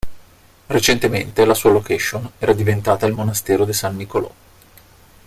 Recentemente la sua location era diventata il Monastero di San Nicolò.